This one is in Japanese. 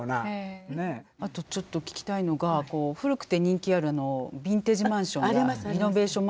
あとちょっと聞きたいのが古くて人気あるビンテージマンションが。ありますあります。